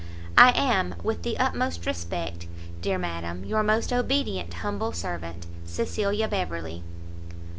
I am, with the utmost respect, Dear Madam, your most obedient humble servant, CECILIA BEVERLEY.